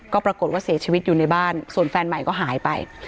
ก็ปรากฏว่าเสียชีวิตอยู่ในบ้านส่วนแฟนใหม่ก็หายไป